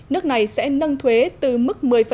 nước này sẽ nâng thuế từ mức một mươi